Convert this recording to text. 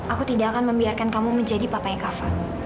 aku tidak akan membiarkan kamu menjadi papa yang kava